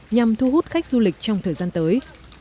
nhằm thu hút khách du lịch trong thời gian tới